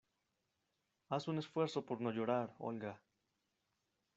Haz un esfuerzo por no llorar, ¡Olga!